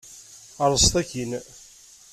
Rrẓet akkin.